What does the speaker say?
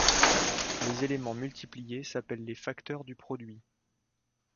Les éléments multipliés s’appellent les facteurs du produit.